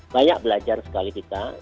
banyak belajar sekali kita